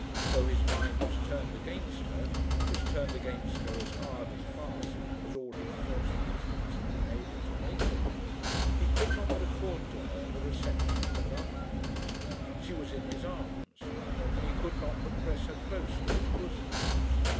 Though his mind was turned against her, was turned against her as hard and fast as all his false reasonings had been able to make it, he could not but accord to her the reception of a lover. She was in his arms and he could not but press her close to his bosom.